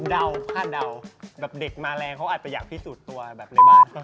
เด็กมาแรงเขาอาจจะอยากพิสูจน์ตัว